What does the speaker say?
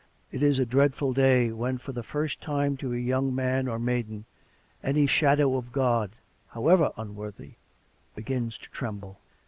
... It is a dreadful day when for the first time to a young man or maiden, any shadow of God, how ever unworthy, begins to tremble.